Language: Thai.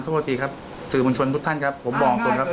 ผมต้องการให้สร้างความเชื่อมั่นให้กับลูกค้าครับแค่นั้นเองครับ